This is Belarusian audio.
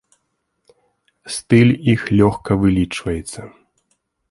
Стыль іх лёгка вылічваецца.